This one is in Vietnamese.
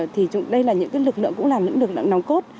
thì đây là những lực lượng cũng là lực lượng nồng cốt